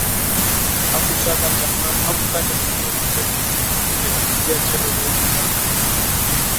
Hakukata tamaa mwaka elfu mbili na kumi aligombea tena urais kwa mara ya nne